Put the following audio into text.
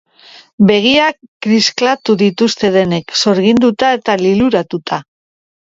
Begiak kliskatu dituzte denek, sorginduta eta liluratuta.